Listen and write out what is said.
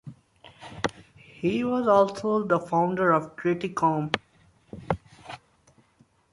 He was also the founder of Certicom.